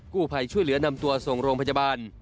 ผู้ภัยช่วยเหลือนำตัวส่งโรงพยาบาล